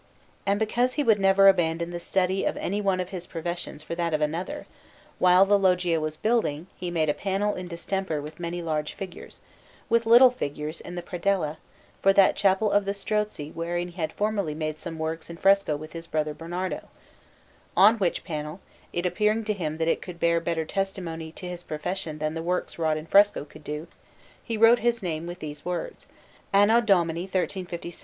And because he would never abandon the study of any one of his professions for that of another, while the Loggia was building he made a panel in distemper with many large figures, with little figures in the predella, for that chapel of the Strozzi wherein he had formerly made some works in fresco with his brother Bernardo; on which panel, it appearing to him that it could bear better testimony to his profession than the works wrought in fresco could do, he wrote his name with these words: ANNO DOMINI MCCCLVII, ANDREAS CIONIS DE FLORENTIA ME PINXIT.